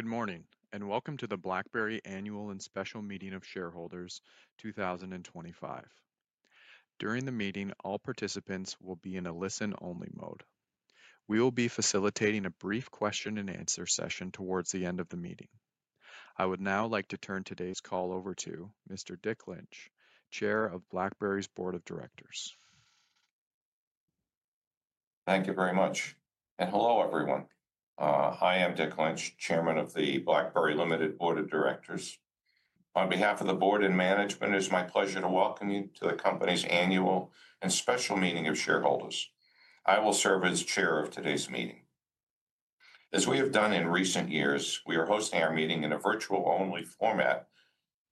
Good morning, and welcome to the BlackBerry Annual and Special Meeting of Shareholders 2025. During the meeting, all participants will be in a listen-only mode. We will be facilitating a brief question-and-answer session towards the end of the meeting. I would now like to turn today's call over to Mr. Dick Lynch, Chair of BlackBerry's Board of Directors. Thank you very much. Hello, everyone. I am Dick Lynch, Chairman of the BlackBerry Limited Board of Directors. On behalf of the board and management, it is my pleasure to welcome you to the company's annual and special meeting of shareholders. I will serve as chair of today's meeting. As we have done in recent years, we are hosting our meeting in a virtual-only format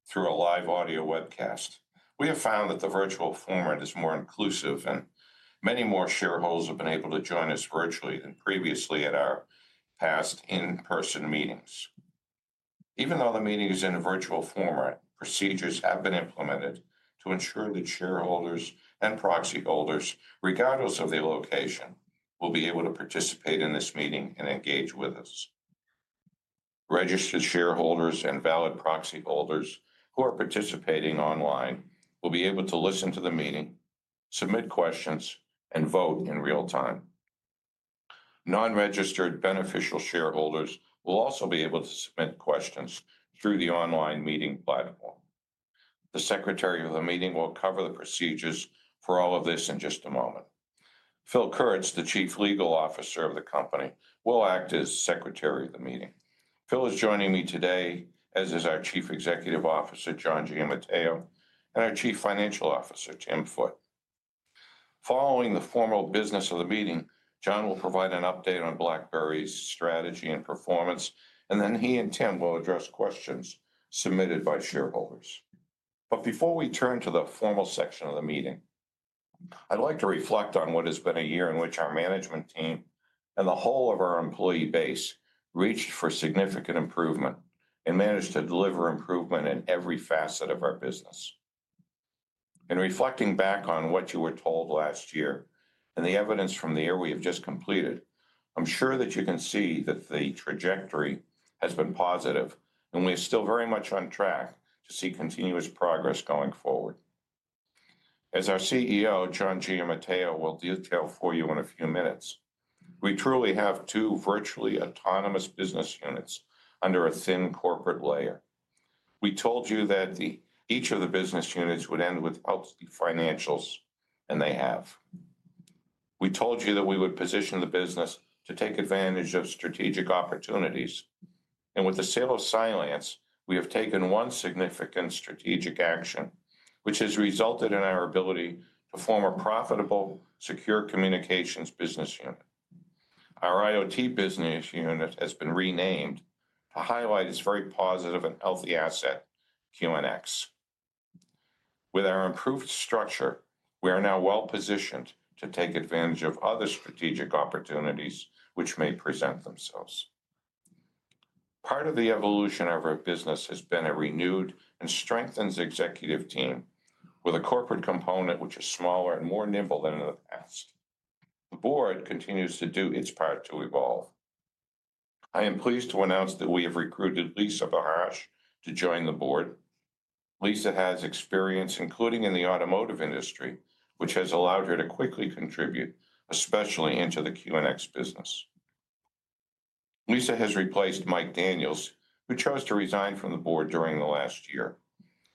through a live audio webcast. We have found that the virtual format is more inclusive, and many more shareholders have been able to join us virtually than previously at our past in-person meetings. Even though the meeting is in a virtual format, procedures have been implemented to ensure that shareholders and proxy holders, regardless of their location, will be able to participate in this meeting and engage with us. Registered shareholders and valid proxy holders who are participating online will be able to listen to the meeting, submit questions, and vote in real time. Non-registered beneficial shareholders will also be able to submit questions through the online meeting platform. The Secretary of the meeting will cover the procedures for all of this in just a moment. Phil Kurtz, the Chief Legal Officer of the company, will act as Secretary of the meeting. Phil is joining me today, as is our Chief Executive Officer, John Giamatteo, and our Chief Financial Officer, Tim Foote. Following the formal business of the meeting, John will provide an update on BlackBerry's strategy and performance, and then he and Tim will address questions submitted by shareholders. Before we turn to the formal section of the meeting, I'd like to reflect on what has been a year in which our management team and the whole of our employee base reached for significant improvement and managed to deliver improvement in every facet of our business. In reflecting back on what you were told last year and the evidence from the year we have just completed, I'm sure that you can see that the trajectory has been positive, and we are still very much on track to see continuous progress going forward. As our CEO, John Giamatteo, will detail for you in a few minutes, we truly have two virtually autonomous business units under a thin corporate layer. We told you that each of the business units would end with healthy financials, and they have. We told you that we would position the business to take advantage of strategic opportunities. With the sale of Cylance, we have taken one significant strategic action, which has resulted in our ability to form a profitable, secure communications business unit. Our IoT business unit has been renamed to highlight its very positive and healthy asset, QNX. With our improved structure, we are now well positioned to take advantage of other strategic opportunities which may present themselves. Part of the evolution of our business has been a renewed and strengthened executive team with a corporate component which is smaller and more nimble than in the past. The board continues to do its part to evolve. I am pleased to announce that we have recruited Lisa Barash to join the board. Lisa has experience, including in the automotive industry, which has allowed her to quickly contribute, especially into the QNX business. Lisa has replaced Mike Daniels, who chose to resign from the board during the last year.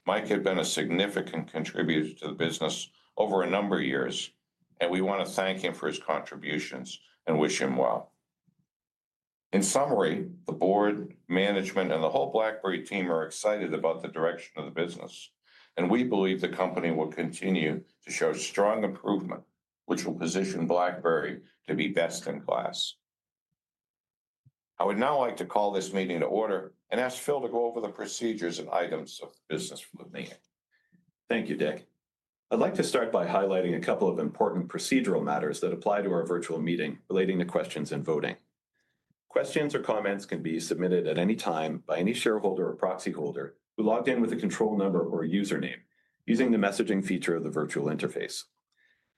Mike had been a significant contributor to the business over a number of years, and we want to thank him for his contributions and wish him well. In summary, the board, management, and the whole BlackBerry team are excited about the direction of the business, and we believe the company will continue to show strong improvement, which will position BlackBerry to be best in class. I would now like to call this meeting to order and ask Phil to go over the procedures and items of the business from the meeting. Thank you, Dick. I'd like to start by highlighting a couple of important procedural matters that apply to our virtual meeting relating to questions and voting. Questions or comments can be submitted at any time by any shareholder or proxy holder who logged in with a control number or username using the messaging feature of the virtual interface.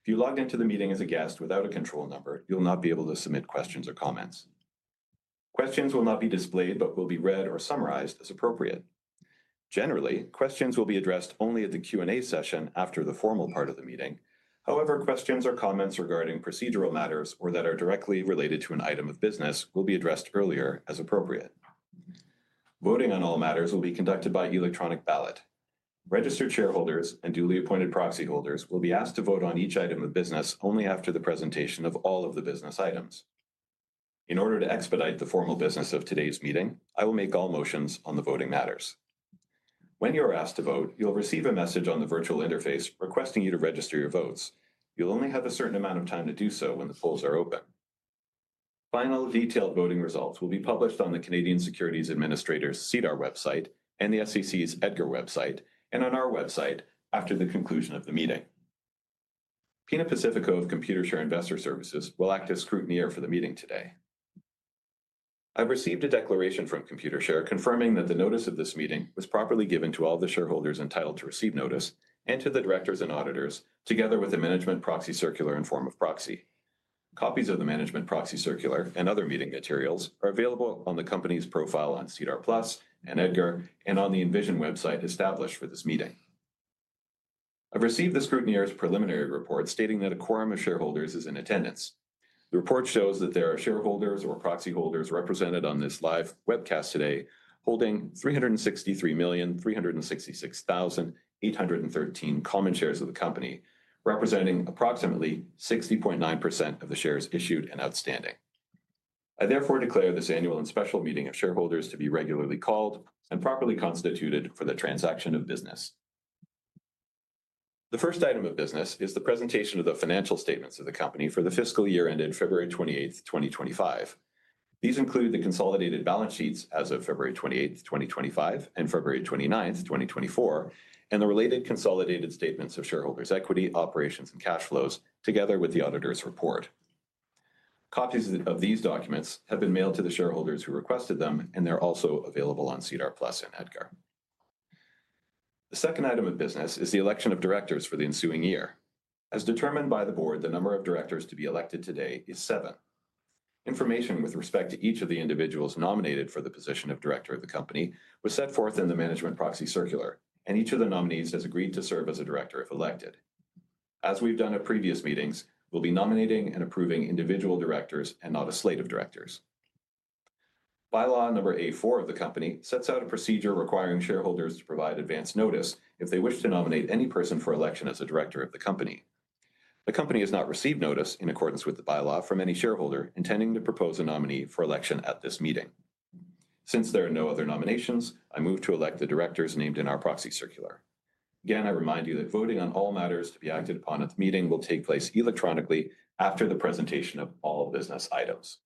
If you logged into the meeting as a guest without a control number, you'll not be able to submit questions or comments. Questions will not be displayed but will be read or summarized as appropriate. Generally, questions will be addressed only at the Q&A session after the formal part of the meeting. However, questions or comments regarding procedural matters or that are directly related to an item of business will be addressed earlier as appropriate. Voting on all matters will be conducted by electronic ballot. Registered shareholders and duly appointed proxy holders will be asked to vote on each item of business only after the presentation of all of the business items. In order to expedite the formal business of today's meeting, I will make all motions on the voting matters. When you are asked to vote, you'll receive a message on the virtual interface requesting you to register your votes. You'll only have a certain amount of time to do so when the polls are open. Final detailed voting results will be published on the Canadian Securities Administrators' SEDAR website and the SEC's EDGAR website and on our website after the conclusion of the meeting. Pina Pacifico of Computershare Investor Services will act as scrutineer for the meeting today. I've received a declaration from Computershare confirming that the notice of this meeting was properly given to all the shareholders entitled to receive notice and to the directors and auditors together with the management proxy circular in form of proxy. Copies of the management proxy circular and other meeting materials are available on the company's profile on SEDAR+ and EDGAR and on the Envision website established for this meeting. I've received the scrutineer's preliminary report stating that a quorum of shareholders is in attendance. The report shows that there are shareholders or proxy holders represented on this live webcast today holding 363,366,813 common shares of the company, representing approximately 60.9% of the shares issued and outstanding. I therefore declare this annual and special meeting of shareholders to be regularly called and properly constituted for the transaction of business. The first item of business is the presentation of the financial statements of the company for the fiscal year ended February 28, 2025. These include the consolidated balance sheets as of February 28, 2025, and February 29, 2024, and the related consolidated statements of shareholders' equity, operations, and cash flows together with the auditor's report. Copies of these documents have been mailed to the shareholders who requested them, and they're also available on SEDAR+ and EDGAR. The second item of business is the election of directors for the ensuing year. As determined by the board, the number of directors to be elected today is seven. Information with respect to each of the individuals nominated for the position of director of the company was set forth in the management proxy circular, and each of the nominees has agreed to serve as a director if elected. As we've done at previous meetings, we'll be nominating and approving individual directors and not a slate of directors. By-law Number A4 of the company sets out a procedure requiring shareholders to provide advance notice if they wish to nominate any person for election as a director of the company. The company has not received notice in accordance with the by-law from any shareholder intending to propose a nominee for election at this meeting. Since there are no other nominations, I move to elect the directors named in our proxy circular. Again, I remind you that voting on all matters to be acted upon at the meeting will take place electronically after the presentation of all business items.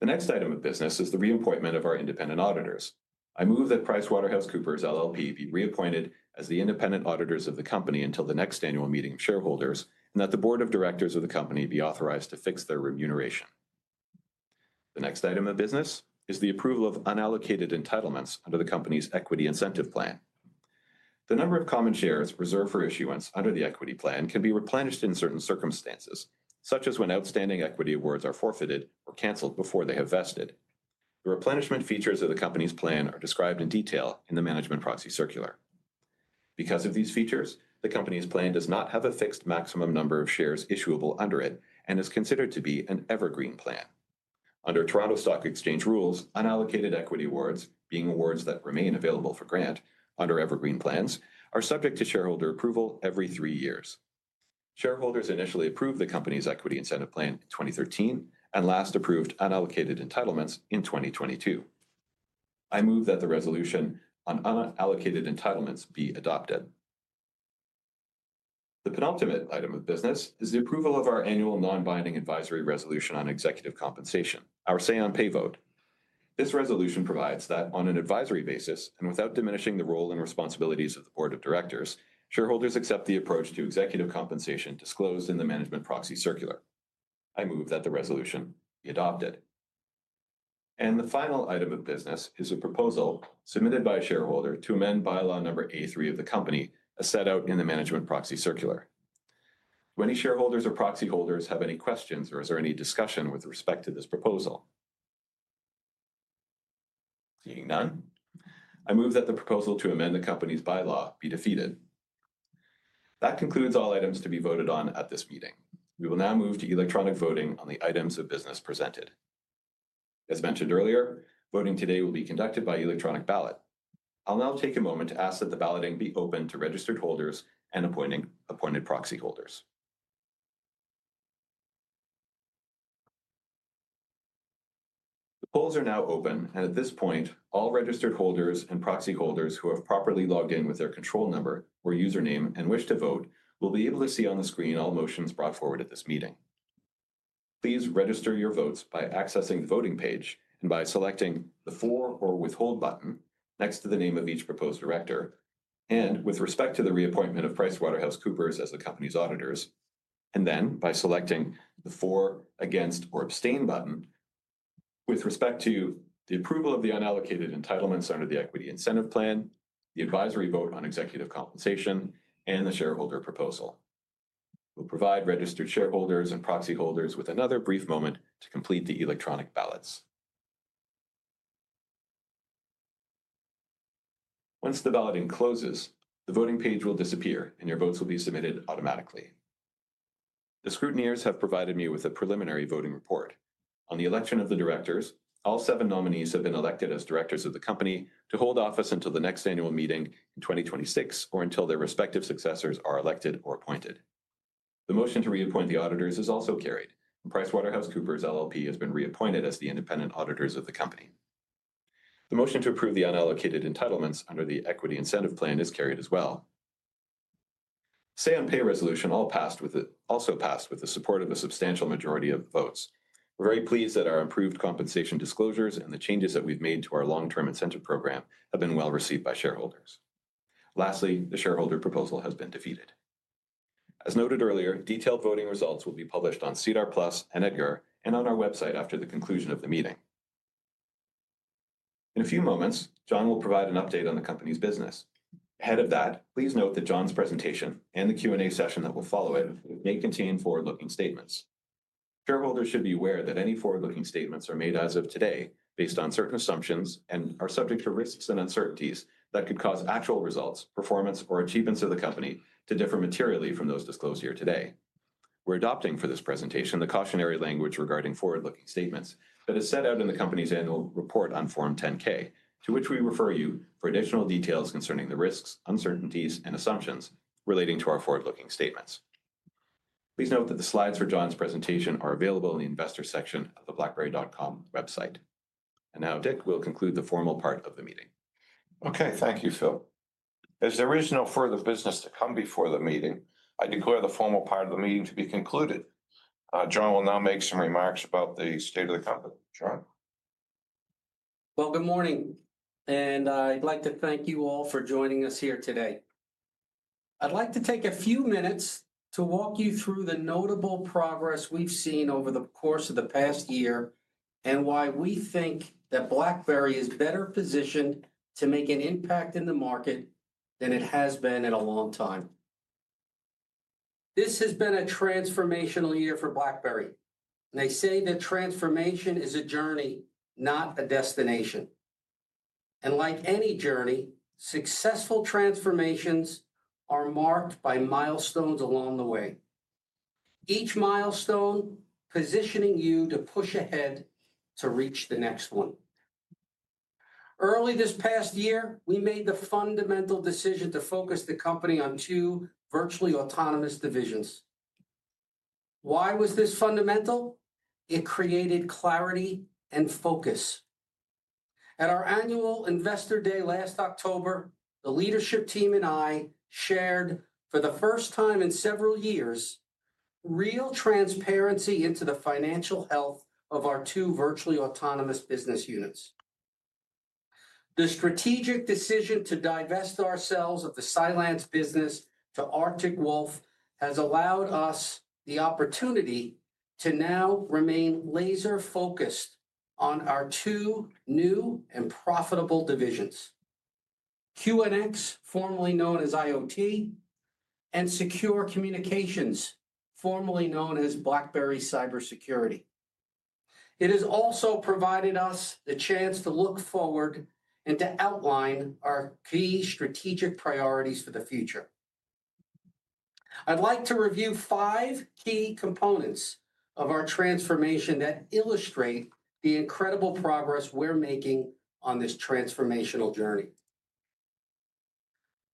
The next item of business is the reappointment of our independent auditors. I move that PricewaterhouseCoopers LLP be reappointed as the independent auditors of the company until the next annual meeting of shareholders and that the Board of Directors of the company be authorized to fix their remuneration. The next item of business is the approval of unallocated entitlements under the company's equity incentive plan. The number of common shares reserved for issuance under the equity plan can be replenished in certain circumstances, such as when outstanding equity awards are forfeited or canceled before they have vested. The replenishment features of the company's plan are described in detail in the management proxy circular. Because of these features, the company's plan does not have a fixed maximum number of shares issuable under it and is considered to be an evergreen plan. Under Toronto Stock Exchange rules, unallocated equity awards, being awards that remain available for grant under evergreen plans, are subject to shareholder approval every three years. Shareholders initially approved the company's equity incentive plan in 2013 and last approved unallocated entitlements in 2022. I move that the resolution on unallocated entitlements be adopted. The penultimate item of business is the approval of our annual non-binding advisory resolution on executive compensation, our say-on-pay vote. This resolution provides that on an advisory basis and without diminishing the role and responsibilities of the board of directors, shareholders accept the approach to executive compensation disclosed in the management proxy circular. I move that the resolution be adopted. The final item of business is a proposal submitted by a shareholder to amend By-law Number A3 of the company, as set out in the management proxy circular. Do any shareholders or proxy holders have any questions or is there any discussion with respect to this proposal? Seeing none, I move that the proposal to amend the company's by-law be defeated. That concludes all items to be voted on at this meeting. We will now move to electronic voting on the items of business presented. As mentioned earlier, voting today will be conducted by electronic ballot. I'll now take a moment to ask that the balloting be open to registered holders and appointed proxy holders. The polls are now open, and at this point, all registered holders and proxy holders who have properly logged in with their control number or username and wish to vote will be able to see on the screen all motions brought forward at this meeting. Please register your votes by accessing the voting page and by selecting the for or withhold button next to the name of each proposed director and with respect to the reappointment of PricewaterhouseCoopers as the company's auditors, and then by selecting the for, against, or abstain button with respect to the approval of the unallocated entitlements under the equity incentive plan, the advisory vote on executive compensation, and the shareholder proposal. We'll provide registered shareholders and proxy holders with another brief moment to complete the electronic ballots. Once the balloting closes, the voting page will disappear and your votes will be submitted automatically. The scrutineers have provided me with a preliminary voting report. On the election of the directors, all seven nominees have been elected as directors of the company to hold office until the next annual meeting in 2026 or until their respective successors are elected or appointed. The motion to reappoint the auditors is also carried. PricewaterhouseCoopers LLP has been reappointed as the independent auditors of the company. The motion to approve the unallocated entitlements under the equity incentive plan is carried as well. Say-on-pay resolution also passed with the support of a substantial majority of votes. We're very pleased that our improved compensation disclosures and the changes that we've made to our long-term incentive program have been well received by shareholders. Lastly, the shareholder proposal has been defeated. As noted earlier, detailed voting results will be published on SEDAR+ and EDGAR and on our website after the conclusion of the meeting. In a few moments, John will provide an update on the company's business. Ahead of that, please note that John's presentation and the Q&A session that will follow it may contain forward-looking statements. Shareholders should be aware that any forward-looking statements are made as of today based on certain assumptions and are subject to risks and uncertainties that could cause actual results, performance, or achievements of the company to differ materially from those disclosed here today. We’re adopting for this presentation the cautionary language regarding forward-looking statements that is set out in the company’s annual report on Form 10-K, to which we refer you for additional details concerning the risks, uncertainties, and assumptions relating to our forward-looking statements. Please note that the slides for John’s presentation are available in the investor section of the blackberry.com website. Dick, we’ll conclude the formal part of the meeting. Okay, thank you, Phil. As there is no further business to come before the meeting, I declare the formal part of the meeting to be concluded. John will now make some remarks about the state of the company. John. Good morning. I'd like to thank you all for joining us here today. I'd like to take a few minutes to walk you through the notable progress we've seen over the course of the past year and why we think that BlackBerry is better positioned to make an impact in the market than it has been in a long time. This has been a transformational year for BlackBerry. They say that transformation is a journey, not a destination. Like any journey, successful transformations are marked by milestones along the way, each milestone positioning you to push ahead to reach the next one. Early this past year, we made the fundamental decision to focus the company on two virtually autonomous divisions. Why was this fundamental? It created clarity and focus. At our annual investor day last October, the leadership team and I shared for the first time in several years real transparency into the financial health of our two virtually autonomous business units. The strategic decision to divest ourselves of the Cylance business to Arctic Wolf has allowed us the opportunity to now remain laser-focused on our two new and profitable divisions: QNX, formerly known as IoT, and Secure Communications, formerly known as BlackBerry Cybersecurity. It has also provided us the chance to look forward and to outline our key strategic priorities for the future. I'd like to review five key components of our transformation that illustrate the incredible progress we're making on this transformational journey.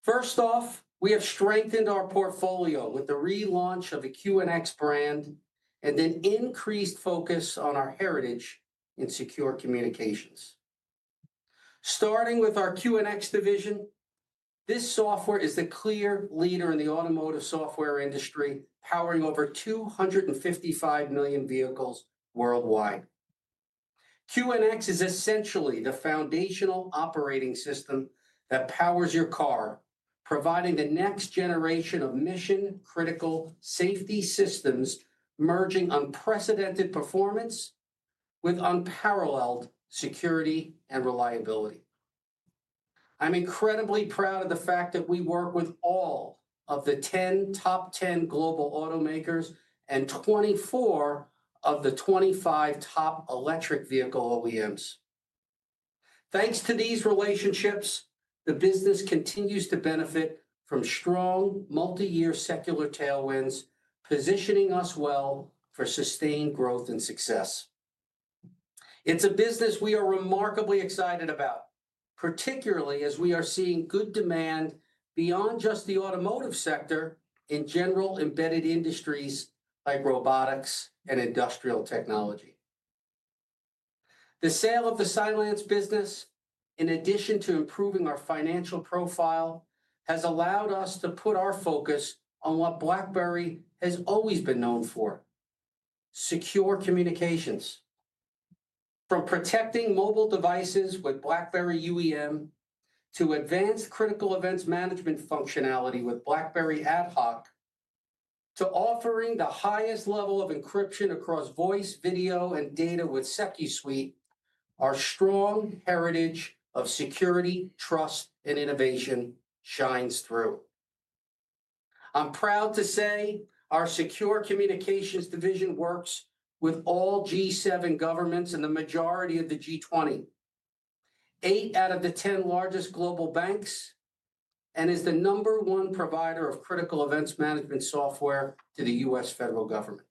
First off, we have strengthened our portfolio with the relaunch of the QNX brand and an increased focus on our heritage in Secure Communications. Starting with our QNX division, this software is the clear leader in the automotive software industry, powering over 255 million vehicles worldwide. QNX is essentially the foundational operating system that powers your car, providing the next generation of mission-critical safety systems, merging unprecedented performance with unparalleled security and reliability. I'm incredibly proud of the fact that we work with all of the 10 top 10 global automakers and 24 of the 25 top electric vehicle OEMs. Thanks to these relationships, the business continues to benefit from strong multi-year secular tailwinds, positioning us well for sustained growth and success. It's a business we are remarkably excited about, particularly as we are seeing good demand beyond just the automotive sector in general embedded industries like robotics and industrial technology. The sale of the Cylance business, in addition to improving our financial profile, has allowed us to put our focus on what BlackBerry has always been known for: Secure Communications. From protecting mobile devices with BlackBerry UEM to advanced critical events management functionality with BlackBerry AtHoc to offering the highest level of encryption across voice, video, and data with SecuSUITE, our strong heritage of security, trust, and innovation shines through. I'm proud to say our Secure Communications division works with all G7 governments and the majority of the G20, eight out of the 10 largest global banks, and is the number one provider of critical events management software to the U.S. federal government.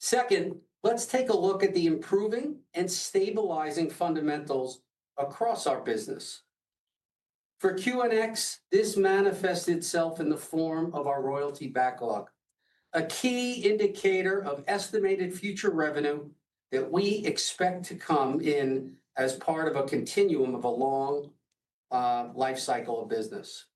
Second, let's take a look at the improving and stabilizing fundamentals across our business. For QNX, this manifests itself in the form of our royalty backlog, a key indicator of estimated future revenue that we expect to come in as part of a continuum of a long lifecycle of business.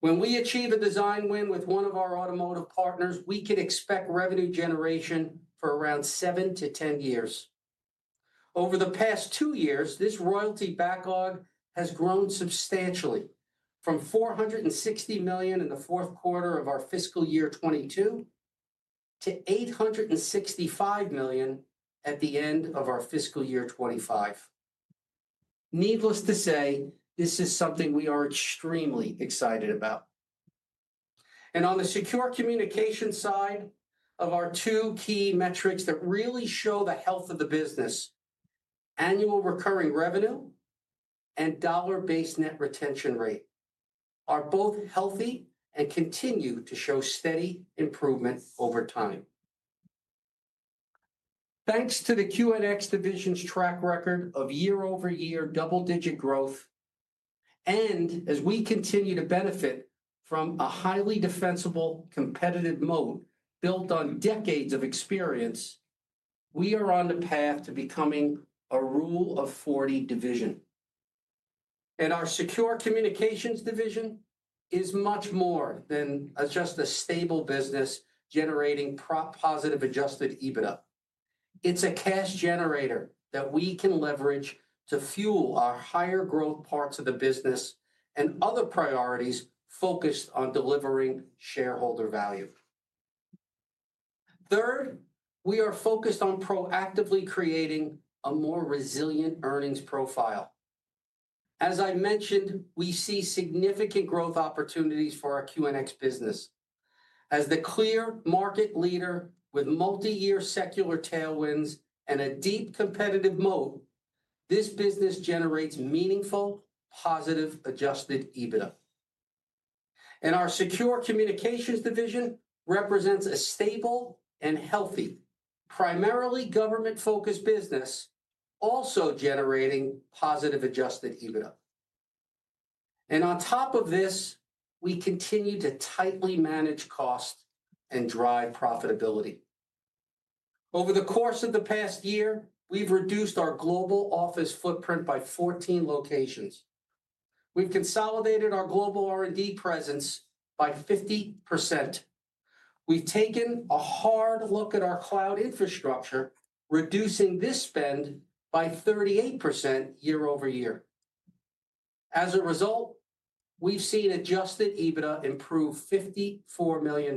When we achieve a design win with one of our automotive partners, we can expect revenue generation for around seven to ten years. Over the past two years, this royalty backlog has grown substantially from $460 million in the fourth quarter of our fiscal year 2022 to $865 million at the end of our fiscal year 2025. Needless to say, this is something we are extremely excited about. On the Secure Communications side, our two key metrics that really show the health of the business, annual recurring revenue and dollar-based net retention rate, are both healthy and continue to show steady improvement over time. Thanks to the QNX division's track record of year-over-year double-digit growth, and as we continue to benefit from a highly defensible competitive moat built on decades of experience, we are on the path to becoming a Rule of 40 division. Our Secure Communications division is much more than just a stable business generating positive adjusted EBITDA. It is a cash generator that we can leverage to fuel our higher growth parts of the business and other priorities focused on delivering shareholder value. Third, we are focused on proactively creating a more resilient earnings profile. As I mentioned, we see significant growth opportunities for our QNX business. As the clear market leader with multi-year secular tailwinds and a deep competitive moat, this business generates meaningful positive adjusted EBITDA. Our Secure Communications division represents a stable and healthy, primarily government-focused business, also generating positive adjusted EBITDA. On top of this we continue to tightly manage cost and drive profitability. Over the course of the past year, we have reduced our global office footprint by 14 locations. We have consolidated our global R&D presence by 50%. We have taken a hard look at our cloud infrastructure, reducing this spend by 38% year-over-year. As a result, we have seen adjusted EBITDA improve $54 million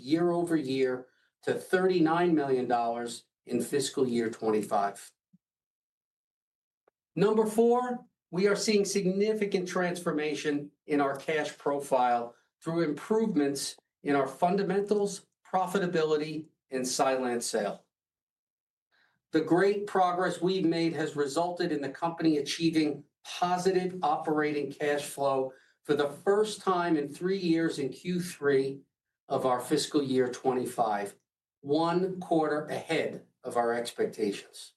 year-over-year to $39 million in fiscal year 2025. Number four, we are seeing significant transformation in our cash profile through improvements in our fundamentals, profitability, and Cylance sale. The great progress we have made has resulted in the company achieving positive operating cash flow for the first time in three years in Q3 of our fiscal year 2025, one quarter ahead of our expectations.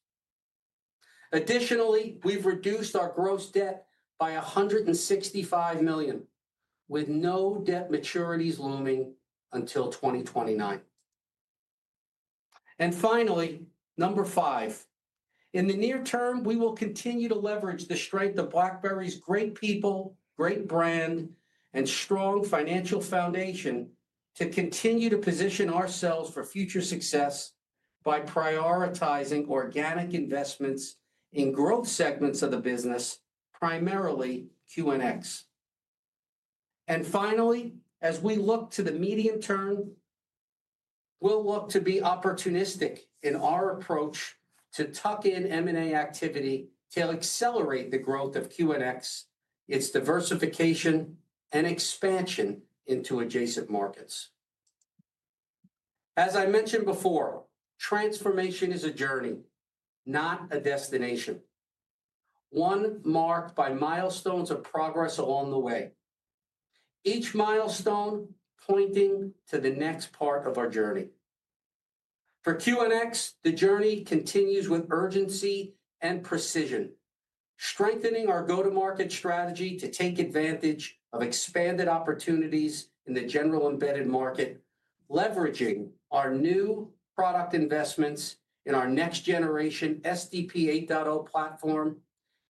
Additionally, we have reduced our gross debt by $165 million, with no debt maturities looming until 2029. Finally, number five, in the near term, we will continue to leverage the strength of BlackBerry's great people, great brand, and strong financial foundation to continue to position ourselves for future success by prioritizing organic investments in growth segments of the business, primarily QNX. As we look to the medium term, we'll look to be opportunistic in our approach to tuck in M&A activity to accelerate the growth of QNX, its diversification, and expansion into adjacent markets. As I mentioned before, transformation is a journey, not a destination, one marked by milestones of progress along the way, each milestone pointing to the next part of our journey. For QNX, the journey continues with urgency and precision, strengthening our go-to-market strategy to take advantage of expanded opportunities in the general embedded market, leveraging our new product investments in our next-generation SDP 8.0 platform,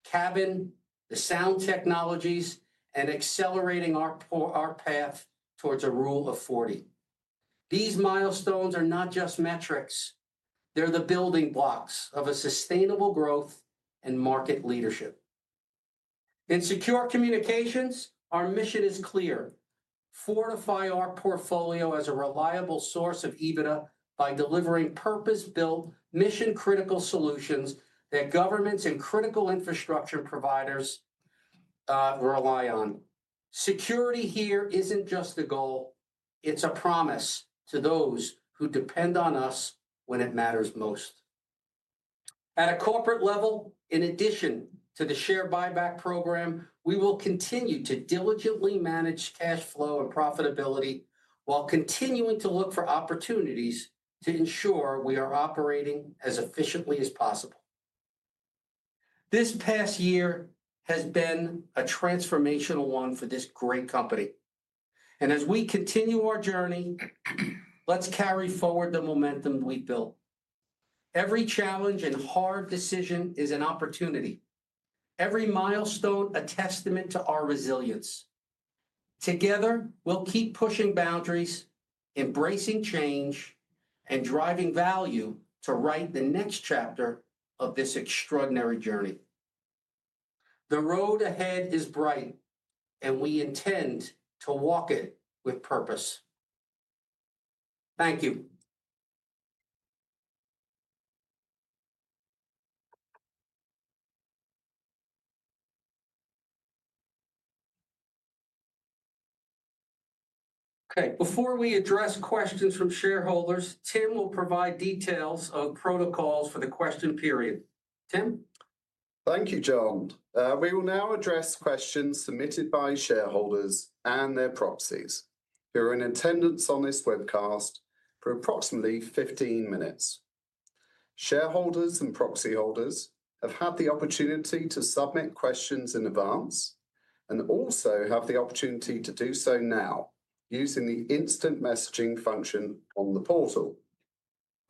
Cabin, the sound technologies, and accelerating our path towards a Rule of 40. These milestones are not just metrics. They're the building blocks of a sustainable growth and market leadership. In Secure Communications, our mission is clear: fortify our portfolio as a reliable source of EBITDA by delivering purpose-built, mission-critical solutions that governments and critical infrastructure providers rely on. Security here isn't just a goal. It's a promise to those who depend on us when it matters most. At a corporate level, in addition to the share buyback program, we will continue to diligently manage cash flow and profitability while continuing to look for opportunities to ensure we are operating as efficiently as possible. This past year has been a transformational one for this great company. As we continue our journey, let's carry forward the momentum we've built. Every challenge and hard decision is an opportunity. Every milestone, a testament to our resilience. Together, we'll keep pushing boundaries, embracing change, and driving value to write the next chapter of this extraordinary journey. The road ahead is bright, and we intend to walk it with purpose. Thank you. Okay. Before we address questions from shareholders, Tim will provide details of protocols for the question period. Tim? Thank you, John. We will now address questions submitted by shareholders and their proxies who are in attendance on this webcast for approximately 15 minutes. Shareholders and proxy holders have had the opportunity to submit questions in advance and also have the opportunity to do so now using the instant messaging function on the portal.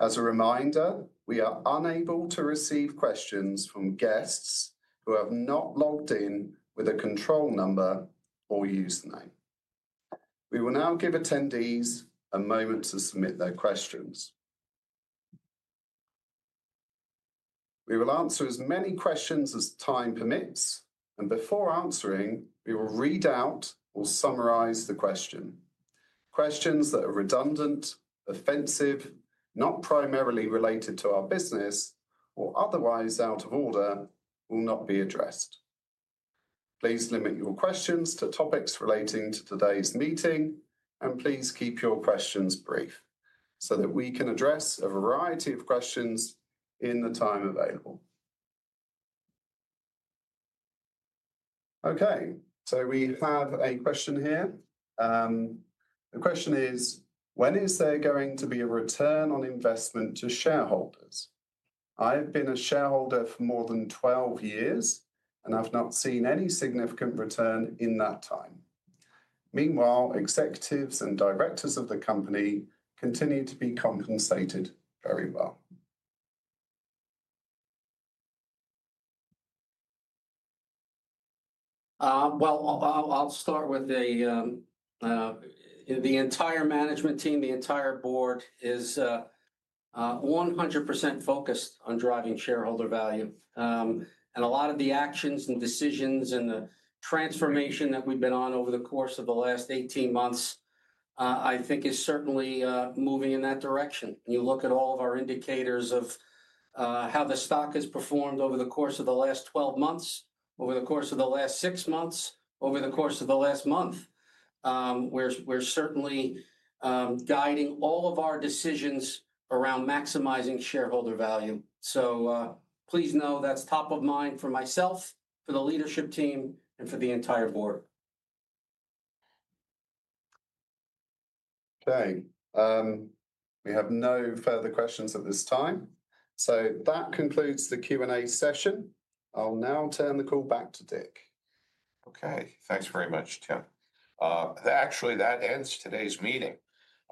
As a reminder, we are unable to receive questions from guests who have not logged in with a control number or username. We will now give attendees a moment to submit their questions. We will answer as many questions as time permits. Before answering, we will read out or summarize the question. Questions that are redundant, offensive, not primarily related to our business, or otherwise out of order will not be addressed. Please limit your questions to topics relating to today's meeting, and please keep your questions brief so that we can address a variety of questions in the time available. Okay. We have a question here. The question is, when is there going to be a return on investment to shareholders? I have been a shareholder for more than 12 years, and I've not seen any significant return in that time. Meanwhile, executives and directors of the company continue to be compensated very well. I'll start with the entire management team. The entire board is 100% focused on driving shareholder value. A lot of the actions and decisions and the transformation that we've been on over the course of the last 18 months, I think, is certainly moving in that direction. You look at all of our indicators of how the stock has performed over the course of the last 12 months, over the course of the last six months, over the course of the last month. We're certainly guiding all of our decisions around maximizing shareholder value. Please know that's top of mind for myself, for the leadership team, and for the entire board. Okay. We have no further questions at this time. That concludes the Q&A session. I'll now turn the call back to Dick. Okay. Thanks very much, Tim. Actually, that ends today's meeting.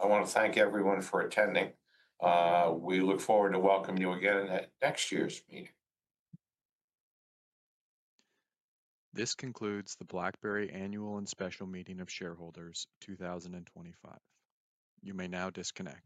I want to thank everyone for attending. We look forward to welcoming you again at next year's meeting. This concludes the BlackBerry Annual and Special Meeting of Shareholders 2025. You may now disconnect.